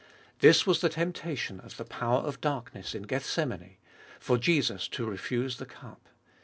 This was the temptation of the power of darkness in Gethsemane — for Jesus to refuse the cup.